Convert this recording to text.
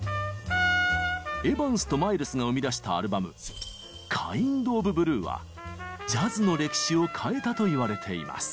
エヴァンスとマイルスが生み出したアルバム「ＫｉｎｄｏｆＢｌｕｅ」はジャズの歴史を変えたと言われています。